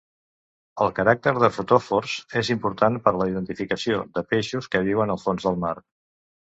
El caràcter de fotòfors és important per la identificació de peixos que viuen al fons del mar.